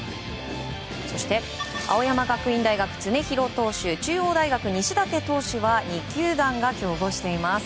そして青山学院大学、常廣投手中央大学、西舘投手は２球団が競合しています。